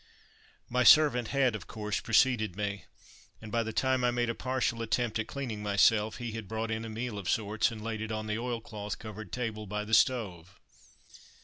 My servant had, of course, preceded me, and by the time I had made a partial attempt at cleaning myself, he had brought in a meal of sorts and laid it on the oilcloth covered table by the stove.